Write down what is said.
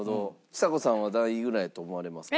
ちさ子さんは何位ぐらいやと思われますか？